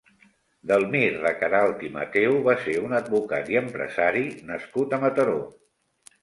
Delmir de Caralt i Matheu va ser un advocat i empresari nascut a Mataró.